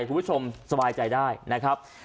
คุณผู้ชมสบายใจได้นะครับ